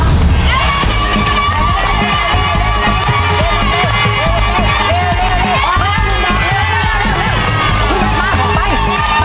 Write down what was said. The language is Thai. ออกแล้ว